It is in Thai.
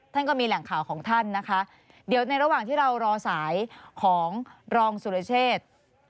ท่านก็มีแหล่งข่าวของท่านนะคะเดี๋ยวในระหว่างที่เรารอสายของรองสุรเชษ